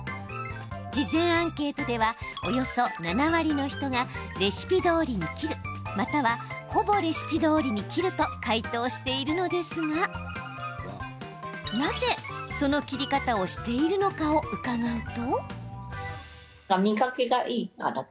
事前アンケートではおよそ７割の人がレシピどおり切るまたは、ほぼレシピどおりに切ると回答しているのですがなぜその切り方をしているのかを伺うと。